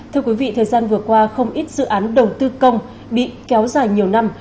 thưa quý vị thời gian vừa qua không ít dự án đầu tư công bị kéo dài nhiều năm